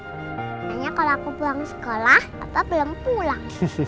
hanya kalau aku pulang sekolah papa belum pulang